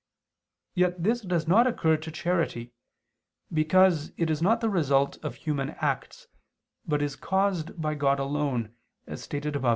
Yet this does not occur to charity, because it is not the result of human acts, but is caused by God alone, as stated above (A.